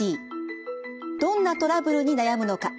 どんなトラブルに悩むのか。